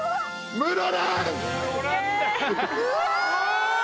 うわ！